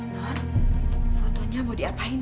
non fotonya mau diapain